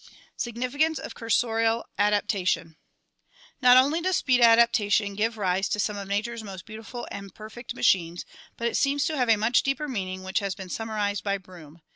Significance of Cursorial Adaptation Not only does speed adaptation give rise to some of nature's most beautiful and perfect machines, but it seems to have a much deeper meaning which has been summarized by Broom.